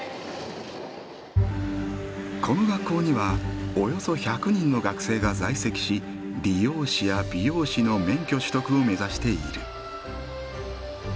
この学校にはおよそ１００人の学生が在籍し理容師や美容師の免許取得を目指している。